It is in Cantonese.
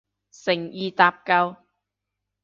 誠意搭救